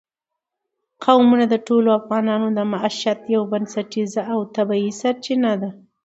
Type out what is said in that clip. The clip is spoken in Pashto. قومونه د ټولو افغانانو د معیشت یوه بنسټیزه او طبیعي سرچینه ده.